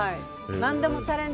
何でもチャレンジ